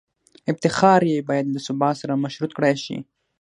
افتخار یې باید له ثبات سره مشروط کړای شي.